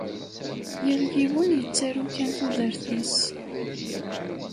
Yal yiwen yettaru kan tudert-is.